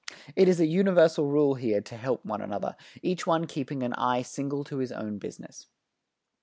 ... It is a universal rule here to help one another, each one keeping an eye single to his own business.